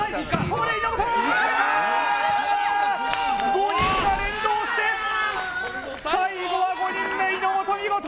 ５人が連動して、最後は５人目、井本見事。